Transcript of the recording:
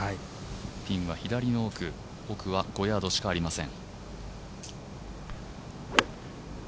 ピンは左の奥、奥は５ヤードしかありません。